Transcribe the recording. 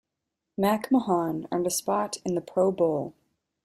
McMahon earned a spot in the Pro Bowl.